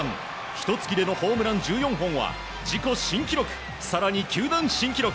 ひと月でのホームラン１４本は自己新記録、更に球団新記録